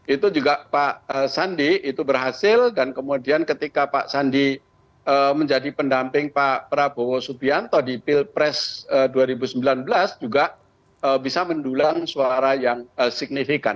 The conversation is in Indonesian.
itu juga pak sandi itu berhasil dan kemudian ketika pak sandi menjadi pendamping pak prabowo subianto di pilpres dua ribu sembilan belas juga bisa mendulang suara yang signifikan